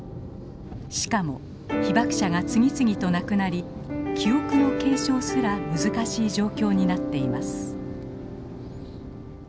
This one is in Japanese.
しかも被爆者が次々と亡くなり記憶の継承すら難しい状況になっています。